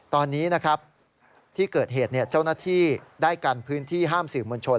ตอนนี้นะครับที่เกิดเหตุเจ้าหน้าที่ได้กันพื้นที่ห้ามสื่อมวลชน